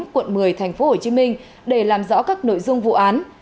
một mươi bốn quận một mươi tp hcm để làm rõ các nội dung vụ án